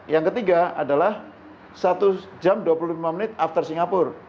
yang ketiga adalah satu jam dua puluh lima menit after singapura